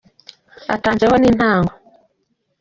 Atenze ho n’intango.